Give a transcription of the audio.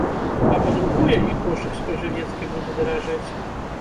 А па-другое, і кошык спажывецкі будзе даражэць.